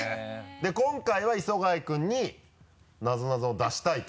で今回は磯貝君になぞなぞを出したいと。